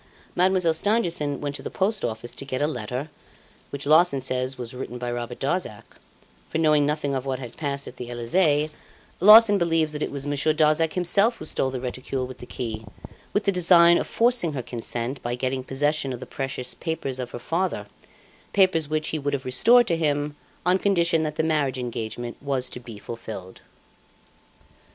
Mademoiselle Stangerson went to the Post Office to get a letter, which Larsan says was written by Robert Darzac; for knowing nothing of what had passed at the Elysee, Larsan believes that it was Monsieur Darzac himself who stole the reticule with the key, with the design of forcing her consent, by getting possession of the precious papers of her father papers which he would have restored to him on condition that the marriage engagement was to be fulfilled.